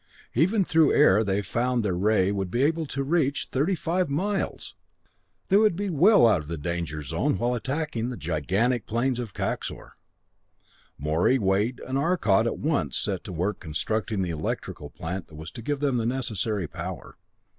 Even through air they had found their ray would be able to reach thirty five miles! They would be well out of the danger zone while attacking the gigantic planes of Kaxor. Morey, Wade and Arcot at once set to work constructing the electrical plant that was to give them the necessary power.